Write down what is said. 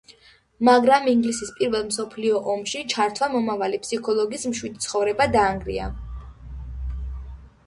მაგრამ, ინგლისის პირველ მსოფლიო ომში ჩართვამ მომავალი ფსიქოლოგის მშვიდი ცხოვრება დაარღვია.